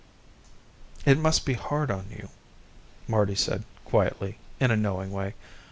"It must be hard on you," Marty said quietly, in a knowing way.